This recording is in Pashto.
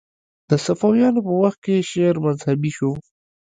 د صفویانو په وخت کې شعر مذهبي شو